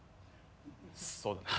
そうだな。